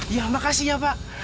ya makasih ya pak